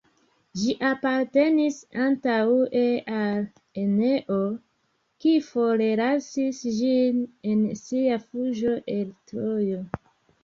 Ĝi apartenis antaŭe al Eneo, kiu forlasis ĝin en sia fuĝo el Trojo.